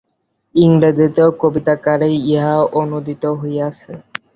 ইংরেজীতেও কবিতাকারে ইহা অনূদিত হইয়াছে।